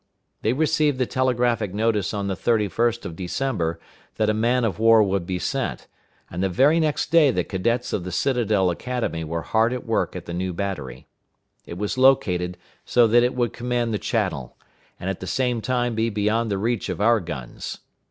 They received the telegraphic notice on the 31st of December that a man of war would be sent, and the very next day the cadets of the Citadel Academy were hard at work at the new battery. It was located so that it would command the channel, and at the same time be beyond the reach of our guns.